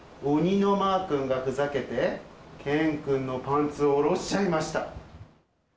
おにのまーくんがふざけて、けんくんのパンツをおろしちゃいました。